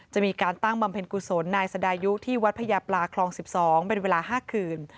จะมีการตั้งบำเพ็ญกุศลนายสดายุที่วัดพญาปลาคลอง๑๒เป็นเวลา๕คืน